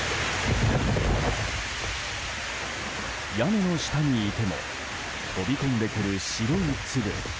屋根の下にいても飛び込んでくる白い粒。